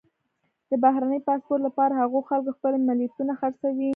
د بهرني پاسپورټ لپاره هغو خلکو خپلې ملیتونه خرڅوي.